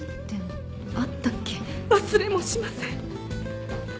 忘れもしません。